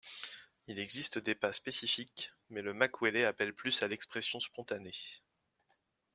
Il existe des pas spécifiques, mais le Maculelê appelle plus à l'expression spontanée.